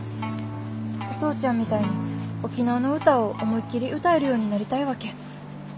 お父ちゃんみたいに沖縄の歌を思いっきり歌えるようになりたいわけ。